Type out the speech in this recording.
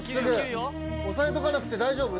押さえとかなくて大丈夫？